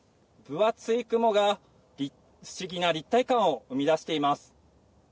分厚い雲が不思議な立体感を生み出しています。